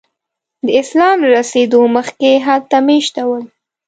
د اسلام له رسېدو مخکې هلته میشته ول.